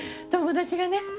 友達がね